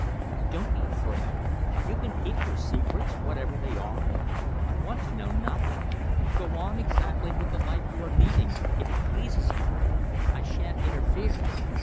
Don't be afraid. You can keep your secrets, whatever they are. I want to know nothing. Go on exactly with the life you are leading, if it pleases you. I shan't interfere.